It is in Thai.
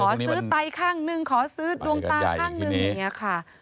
ขอซื้อไตข้างหนึ่งขอซื้อดวงตาข้างหนึ่งอย่างนี้ค่ะ